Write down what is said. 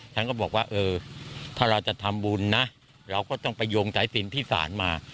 ฉันก็บอกว่าเออถ้าเราจะทำบุญนะเราก็ต้องไปโยงสายสินที่ศาลมา